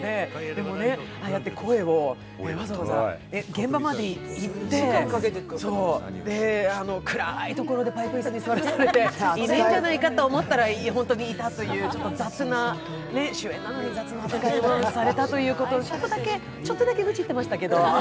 でもね、ああやって声をわざわざ現場まで行って、暗いところでパイプ椅子に座らされていないんじゃないかと思ったらホントにいたという、主演なのに雑な扱いをされたということをちょっとだけぐちってましたけど。